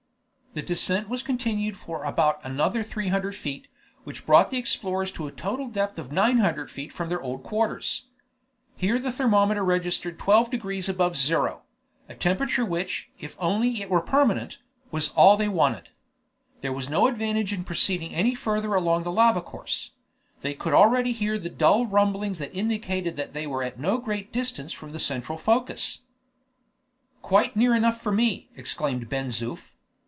The descent was continued for about another three hundred feet, which brought the explorers to a total depth of nine hundred feet from their old quarters. Here the thermometer registered 12 degrees above zero a temperature which, if only it were permanent, was all they wanted. There was no advantage in proceeding any further along the lava course; they could already hear the dull rumblings that indicated that they were at no great distance from the central focus. "Quite near enough for me!" exclaimed Ben Zoof.